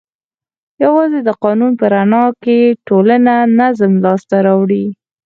یوازې د قانون په رڼا کې ټولنه نظم لاس ته راوړي.